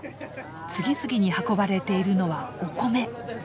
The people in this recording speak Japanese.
次々に運ばれているのはお米。